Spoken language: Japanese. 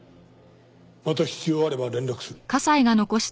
また必要あれば連絡する。